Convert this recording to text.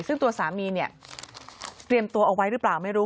ซึ่งตัวสามีเนี่ยเตรียมตัวเอาไว้หรือเปล่าไม่รู้